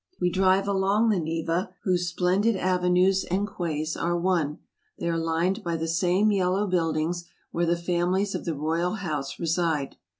We drive along the Neva, whose splendid avenues and quays are one. They are lined by the same yellow buildings, where the families of the royal house reside.